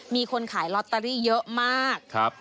มีคนขายลอตเตอรี่เยอะมาก